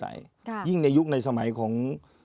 ทรัพย์พญาตรฐาบารยึกในสมัยของ